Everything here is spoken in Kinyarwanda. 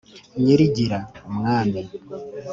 nyirigira: umwami